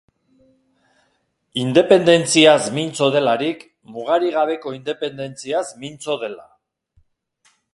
Independentziaz mintzo delarik, mugarik gabeko independentziaz mintzo dela.